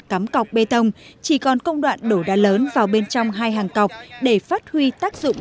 cắm cọc bê tông chỉ còn công đoạn đổ đá lớn vào bên trong hai hàng cọc để phát huy tác dụng